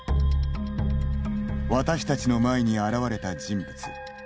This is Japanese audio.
私たちの前に現れた人物。